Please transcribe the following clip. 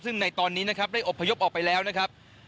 ซึ่งในตอนนี้นะครับได้อบพยพออกไปแล้วนะครับ